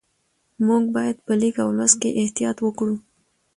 موږ باید په لیک او لوست کې احتیاط وکړو